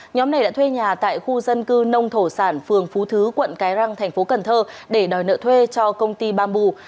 nhóm này đã thuê nhà tại khu dân cư nông thổ sản phường phú thứ quận cái răng tp hcm để đòi nợ thuê cho công ty bamboo